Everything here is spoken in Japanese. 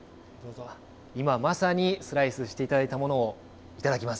今まさにスライスしていただいたものを、頂きます。